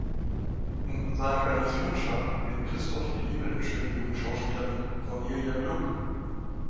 In seiner Garnisonsstadt gewinnt Christoph die Liebe der schönen jungen Schauspielerin Cornelia Gluck.